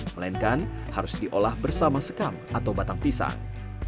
melainkan harus diolah bersama sekam atau batang pisang